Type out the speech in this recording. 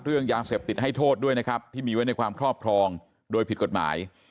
เรื่องยาเสพติดให้โทษด้วยนะครับที่มีไว้ในความครอบครองโดยผิดกฎหมาย